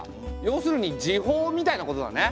要するに時報みたいなことだね。